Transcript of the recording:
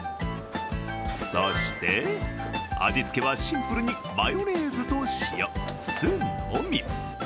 そして、味付けはシンプルにマヨネーズと塩、酢のみ。